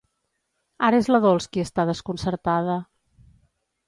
Ara és la Dols qui està desconcertada.